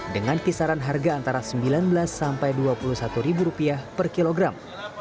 dengan kisaran harga antara sembilan belas sampai dua puluh satu ribu rupiah per kilogram